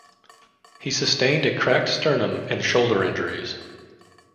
He sustained a cracked sternum and shoulder injuries.